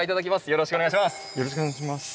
よろしくお願いします。